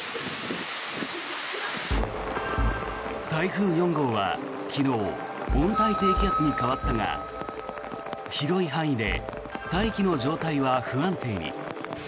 台風４号は昨日温帯低気圧に変わったが広い範囲で大気の状態は不安定に。